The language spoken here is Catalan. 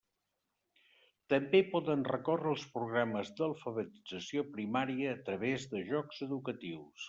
També poden recórrer als programes d'alfabetització primària a través de jocs educatius.